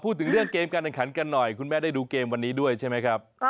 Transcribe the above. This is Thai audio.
พูดถึงเรื่องเกมการแข่งขันกันหน่อยคุณแม่ได้ดูเกมวันนี้ด้วยใช่ไหมครับ